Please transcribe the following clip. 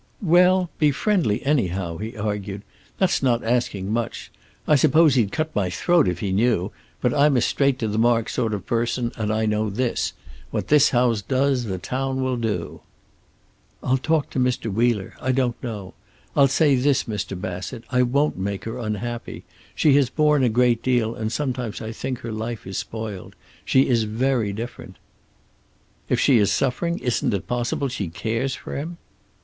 "Well, be friendly, anyhow," he argued. "That's not asking much. I suppose he'd cut my throat if he knew, but I'm a straight to the mark sort of person, and I know this: what this house does the town will do." "I'll talk to Mr. Wheeler. I don't know. I'll say this, Mr. Bassett. I won't make her unhappy. She has borne a great deal, and sometimes I think her life is spoiled. She is very different." "If she is suffering, isn't it possible she cares for him?"